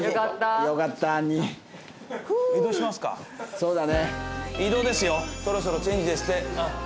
そうだね。